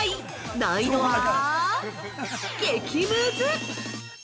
難易度は、激ムズ！